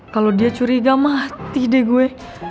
kalau dia curiga mati deh gue